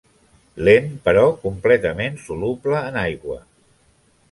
Lent però completament soluble en aigua.